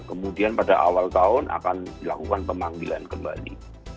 kemudian pada awal tahun akan dilakukan pemanggilan kembali